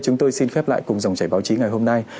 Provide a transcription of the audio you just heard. chúng tôi xin khép lại cùng dòng chảy báo chí ngày hôm nay